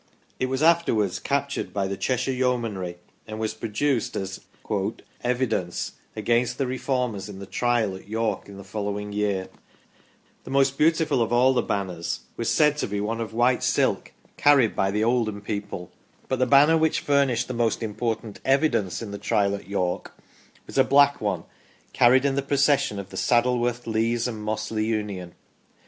It was afterwards captured by the Cheshire Yeomanry and was produced as " evidence " against the Reformers in the Trial at York in the following year. The most beautiful of all the banners was said to be one of white silk carried by PROCESSIONS FROM OUTLYING DISTRICTS 21 the Idham people. But the banner which furnished the most im portant " evidence " in the Trial at York was a black one carried in the procession of the Saddleworth, Lees, and Mossley Union.